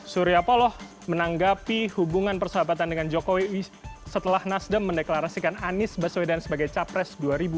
surya paloh menanggapi hubungan persahabatan dengan jokowi setelah nasdem mendeklarasikan anies baswedan sebagai capres dua ribu dua puluh